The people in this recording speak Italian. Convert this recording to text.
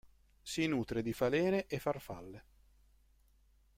Si nutre di falene e farfalle.